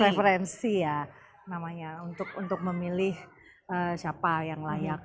referensi ya namanya untuk memilih siapa yang layak